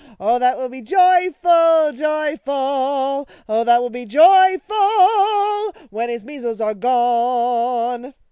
Oh, that will be joyful, joyful, Oh, that will be joyful, when his mea sles are gone.